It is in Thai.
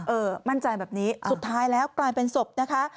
มั่นใจแบบนี้สุดท้ายแล้วกลายเป็นศพนะคะ